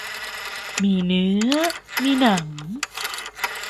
มีเนื้อมีหนัง